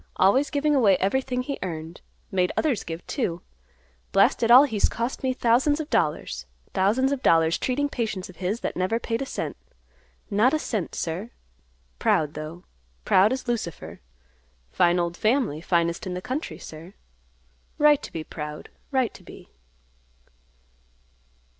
Always giving away everything he earned. Made others give, too. Blast it all, he's cost me thousands of dollars, thousands of dollars, treating patients of his that never paid a cent; not a cent, sir. Proud, though; proud as Lucifer. Fine old, family; finest in the country, sir. Right to be proud, right to be."